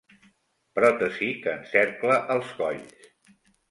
Pròtesi que encercla els colls.